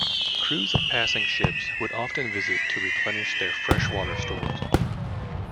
Crews of passing ships would often visit to replenish their fresh water stores.